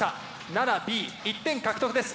奈良Ｂ１点獲得です。